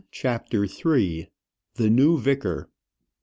CHAPTER III. THE NEW VICAR.